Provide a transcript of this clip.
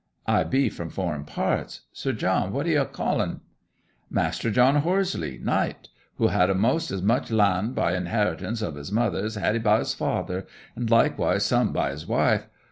'I be from foreign parts. Sir John what d'ye call'n?' 'Master John Horseleigh, Knight, who had a'most as much lond by inheritance of his mother as 'a had by his father, and likewise some by his wife.